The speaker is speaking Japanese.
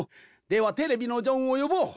ではテレビのジョンをよぼう。